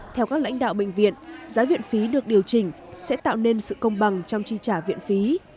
theo các lãnh đạo bệnh viện giá viện phí được điều chỉnh sẽ tạo nên sự công bằng trong chi trả viện phí